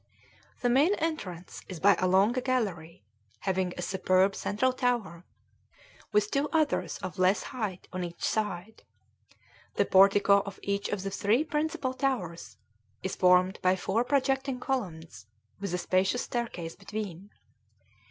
The main entrance is by a long gallery, having a superb central tower, with two others of less height on each side. The portico of each of the three principal towers is formed by four projecting columns, with a spacious staircase between.